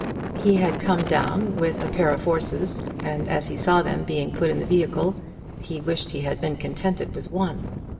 He had come down with a pair of horses, and as he saw them being put to the vehicle he wished he had been contented with one.